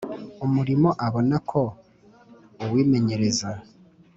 Umurimo abona ko uwimenyereza